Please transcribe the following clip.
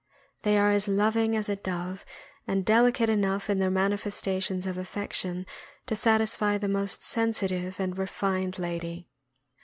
They are as loving as a dove, and delicate enough in their manifestations of affection to sat isfy the most sensitive and refined lady.